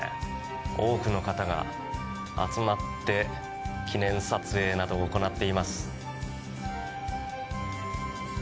多くの方が集まって記念撮影などを行っています。